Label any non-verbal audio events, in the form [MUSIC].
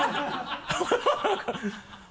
ハハハ [LAUGHS]